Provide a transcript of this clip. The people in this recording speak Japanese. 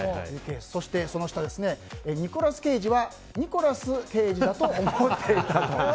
そしてニコラス・ケイジはニコラス刑事だと思っていたと。